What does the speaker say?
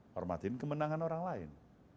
hormati kemenangan orang lain